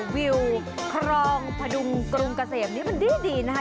วิวครองพดุงกรุงเกษมนี้มันดีนะคะ